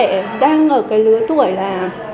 rất trẻ đang ở cái lứa tuổi là